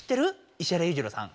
石原裕次郎さん。